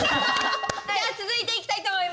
じゃ続いていきたいと思います。